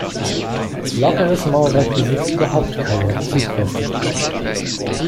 Lockeres Mauerwerk besitzt überhaupt keine Zugfestigkeit.